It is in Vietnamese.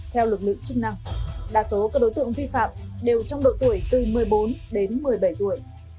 theo lực lượng chức năng đa số các đối tượng vi phạm đều trong độ tuổi từ một mươi bốn đến một mươi bảy tuổi